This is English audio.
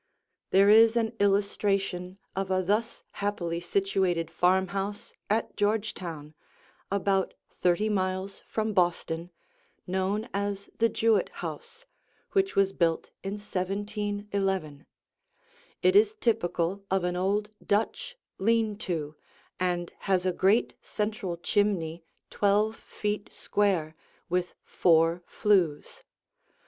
There is an illustration of a thus happily situated farmhouse at Georgetown, about thirty miles from Boston, known as the Jewett house, which was built in 1711. It is typical of an old Dutch lean to and has a great central chimney twelve feet square, with four flues.